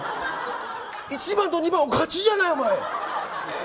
１番と２番をカチじゃないかお前。